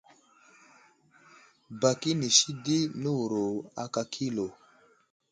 Bak inisi di newuro aka kilo.